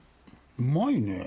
うまいねぇ。